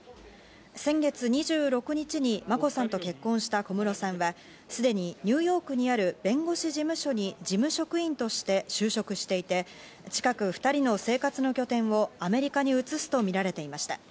先月２６日に眞子さんと結婚した小室さんはすでにニューヨークにある弁護士事務所に事務職員として就職していて近く２人の生活の拠点をアメリカに移すとみられていました。